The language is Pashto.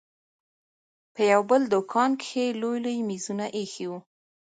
په يو بل دوکان کښې لوى لوى مېزونه ايښي وو.